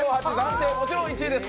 点もちろん１位です。